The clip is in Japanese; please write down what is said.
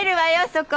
そこ。